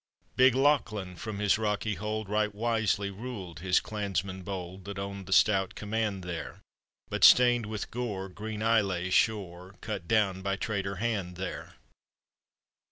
Big Lachlan from his rocky hold Right wisely ruled his clansmen bold. That owned the stout command there, But stained with gore green Islay's shore, Cut down by traitor hand there!